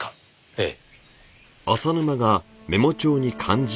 ええ。